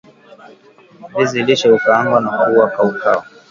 vizi lishe hukaangwa na kuwa kaukau